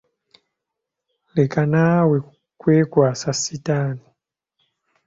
Leka naawe kwekwasa sitaani.